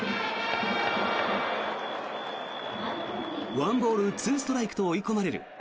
１ボール２ストライクと追い込まれる。